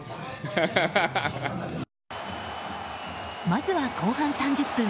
まずは後半３０分。